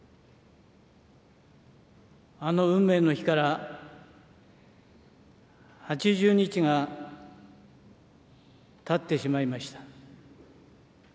あの運命の日から８０日がたってしまいました。